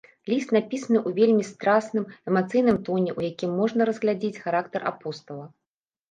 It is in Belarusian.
Ліст напісаны ў вельмі страсным, эмацыйным тоне, у якім можна разгледзіць характар апостала.